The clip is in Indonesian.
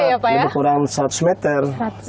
lebih kurang seratus meter